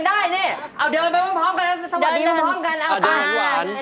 สวัสดีเลยสวัสดี